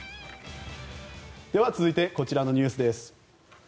では、続いてこちらのニュースです。